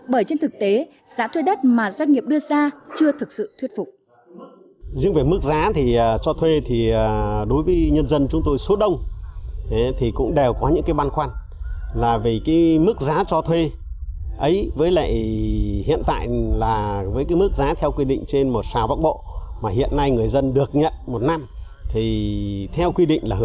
bởi trên thực tế giá thuê đất mà doanh nghiệp đưa ra chưa thực sự thuyết phục